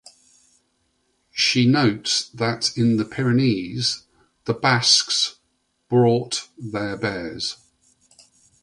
She notes that in the Pyrenees, the Basques brought their bears.